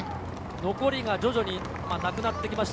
残りが徐々になくなってきました。